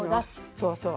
そうそう。